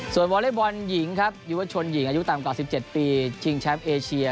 วอเล็กบอลหญิงครับยุวชนหญิงอายุต่ำกว่า๑๗ปีชิงแชมป์เอเชีย